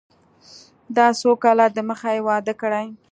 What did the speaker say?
دا څو کاله د مخه يې واده کړى.